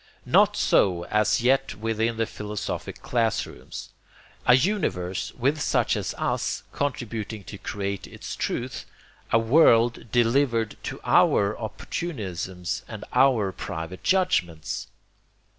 Not so as yet within the philosophic class rooms. A universe with such as US contributing to create its truth, a world delivered to OUR opportunisms and OUR private judgments!